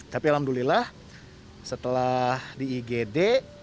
tapi alhamdulillah setelah di igd